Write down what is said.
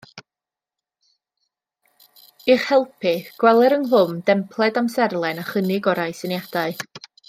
I'ch helpu, gweler ynghlwm dempled amserlen a chynnig o rai syniadau